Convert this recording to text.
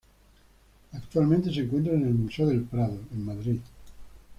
Actualmente se encuentra en el Museo del Prado, en Madrid.